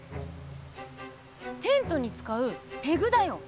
テントに使うペグだよ。